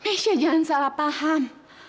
mesya jangan salah paham